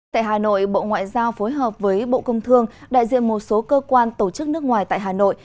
tại hà nội bộ ngoại giao phối hợp với bộ công thương đại diện một số cơ quan tổ chức nước ngoài tại hà nội